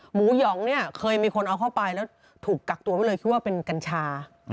หยองเนี่ยเคยมีคนเอาเข้าไปแล้วถูกกักตัวไว้เลยคิดว่าเป็นกัญชา